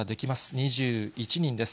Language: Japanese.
２１人です。